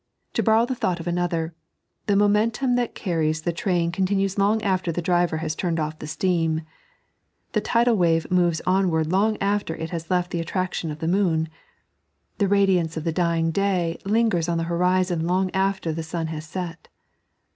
To borrow the thought of another — the momentum that carries the train continues long after the driver has turned off the steam ; the tidal wave moves onward long after it has left the attraction of the moon ; the radiance of the dying day lingers on the horiEOn long after the sun has set.